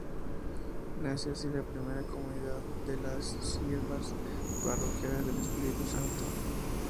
Nace así la primera comunidad de las Siervas Parroquiales del Espíritu Santo.